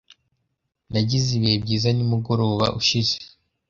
Nagize ibihe byiza nimugoroba ushize.